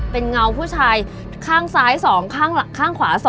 เป็นเงาผู้ชายข้างซ้าย๒ข้างขวา๒